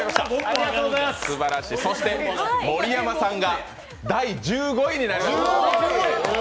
そして盛山さんが第１５位になります。